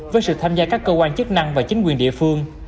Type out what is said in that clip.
với sự tham gia các cơ quan chức năng và chính quyền địa phương